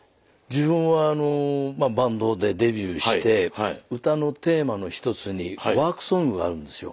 自分はまあバンドでデビューして歌のテーマの一つにワークソングがあるんですよ。